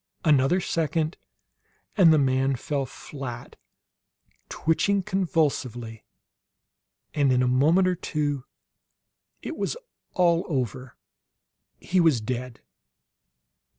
Another second and the man fell flat, twitching convulsively; and in a moment or two it was all over. He was dead!